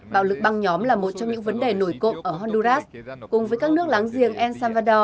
bạo lực băng nhóm là một trong những vấn đề nổi cộng ở honduras cùng với các nước láng giềng el salvador